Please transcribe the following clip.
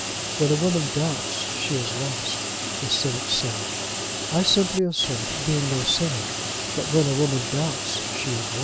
When a woman doubts she is lost, the cynics say. I simply assert, being no cynic, that when a woman doubts she is won.